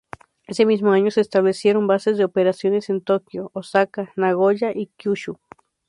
Ese mismo año, se establecieron bases de operaciones en Tokio, Osaka, Nagoya y Kyūshū.